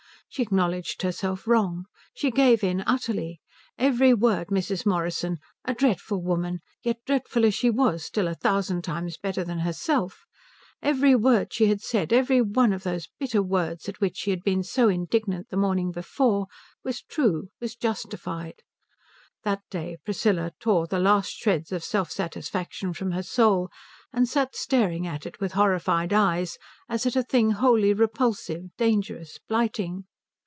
She acknowledged herself wrong. She gave in utterly. Every word Mrs. Morrison a dreadful woman, yet dreadful as she was still a thousand times better than herself every word she had said, every one of those bitter words at which she had been so indignant the morning before, was true, was justified. That day Priscilla tore the last shreds of self satisfaction from her soul and sat staring at it with horrified eyes as at a thing wholly repulsive, dangerous, blighting.